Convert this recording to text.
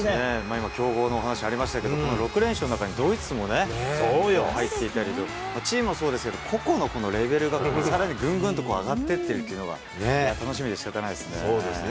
今、強豪の話ありましたけれども、６連勝の中にドイツも入っていたりとか、チームもそうですけど、個々のレベルがさらにぐんぐんと上がっていってるというのが楽しそうですね。